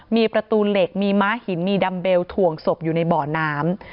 มีประตูเหล็กมีม้าหินมีดัมเบลถ่วงศพอยู่ในบ่อน้ำ